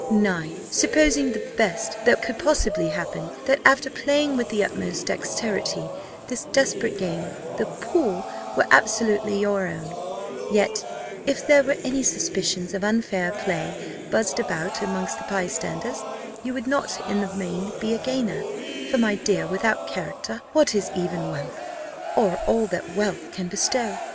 Nay, supposing the best that could possibly happen that, after playing with the utmost dexterity this desperate game, the pool were absolutely your own; yet, if there were any suspicions of unfair play buzzed about amongst the by standers, you would not in the main be a gainer; for my dear, without character, what is even wealth, or all that wealth can bestow?